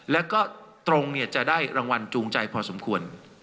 แล้วก็ตรงจะได้รางวัลจูงใจพอสมควร